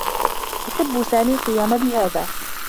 يحبّ سامي القيام بهذا.